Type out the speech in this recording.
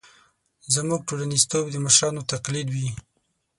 زموږ ټولنیزتوب د مشرانو تقلید وي.